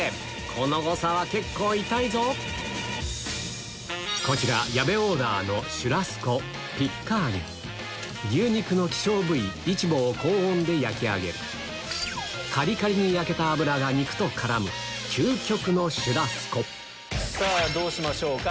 この誤差は結構痛いぞこちら矢部オーダーのシュラスコ牛肉の希少部位イチボを高温で焼き上げるカリカリに焼けた脂が肉と絡む究極のシュラスコどうしましょうか。